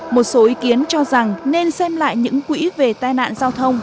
một số ý kiến cho rằng nên xem lại những quỹ về tai nạn giao thông